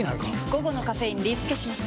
午後のカフェインリスケします！